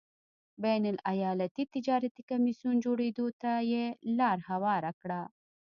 بین الایالتي تجارتي کمېسیون جوړېدو ته یې لار هواره کړه.